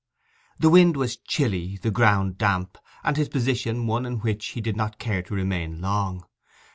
The wind was chilly, the ground damp, and his position one in which he did not care to remain long.